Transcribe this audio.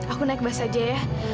aku naik bus aja ya